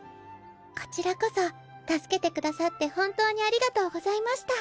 こちらこそ助けてくださって本当にありがとうございました。